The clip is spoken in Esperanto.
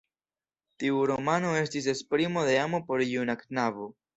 Tiu romano estis esprimo de amo por juna knabo.